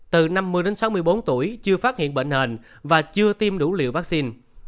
từ năm mươi đến sáu mươi bốn tuổi chưa phát hiện bệnh nền và chưa tiêm đủ liều vaccine